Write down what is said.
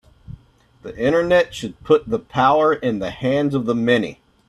The Internet should put the power in the hands of the many